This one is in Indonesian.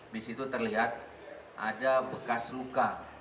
di situ terlihat ada bekas luka